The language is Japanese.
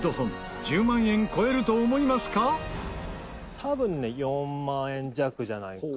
多分ね４万円弱じゃないかな？